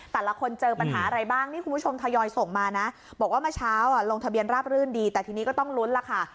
แต่ละคนเจอปัญหาอะไรบ้างนี่คุณผู้ชมทยอยส่งมานะบอกว่าเมื่อเช้าลงทะเบียนราบรื่นดีแต่ทีนี้ก็ต้องลุ้นล่ะค่ะ